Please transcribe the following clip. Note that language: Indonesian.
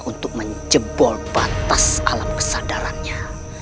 untuk menjebol batas alam kesadarannya